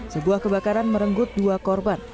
sebuah kebakaran merenggut dua korban